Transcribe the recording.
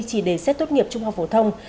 chỉ để xét tốt nghiệp trung học phổ thông